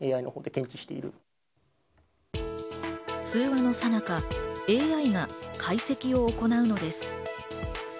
通話のさなか、ＡＩが解析を行うのです。